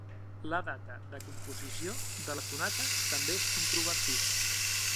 La data de composició de la sonata també és controvertida.